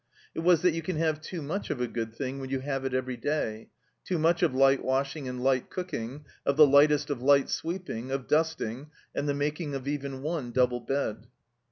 It was that you can have too much of a good thing when you have it every day; too much of light washing and light cooking, of the Ughtest of light sweeping, of dusting, and the making of even one double bed.